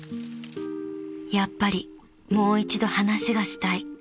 ［やっぱりもう一度話がしたい］